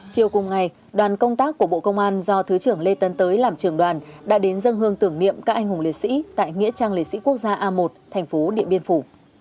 chiều cùng ngày đoàn công tác của bộ công an do thứ trưởng lê tấn tới làm trưởng đoàn đã đến dân hương tưởng niệm các anh hùng liệt sĩ tại nghĩa trang liệt sĩ quốc gia a một thành phố điện biên phủ